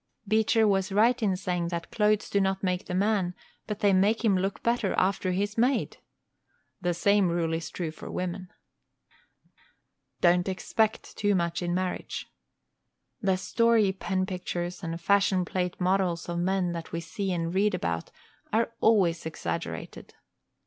Beecher was right in saying that "clothes do not make the man, but they make him look better after he is made." The same rule is true of women. Don't expect too much in marriage. The story pen pictures and fashion plate models of men that we see and read about are always exaggerated.